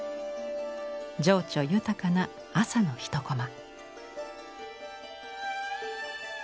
情緒豊かな朝の一コマ。